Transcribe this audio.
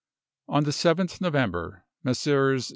On the 7th November, Messrs.